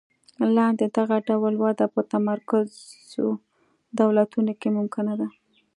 لاندې دغه ډول وده په متمرکزو دولتونو کې ممکنه ده.